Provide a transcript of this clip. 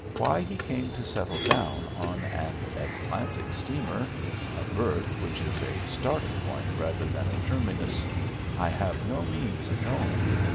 Why he came to settle down on an Atlantic steamer—a berth which is a starting point rather than a terminus—I have no means of knowing.